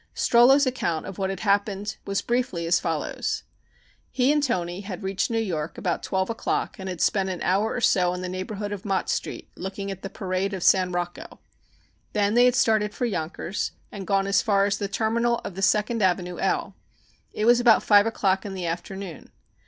Strollo's account of what had happened was briefly as follows: He and Toni had reached New York about twelve o'clock and had spent an hour or so in the neighborhood of Mott Street looking at the parade of "San Rocco." Then they had started for Yonkers and gone as far as the terminal of the Second Avenue El. It was about five o'clock in the afternoon.